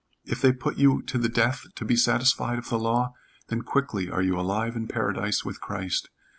If they put you to the death to be satisfied of the law, then quickly are you alive in Paradise with Christ.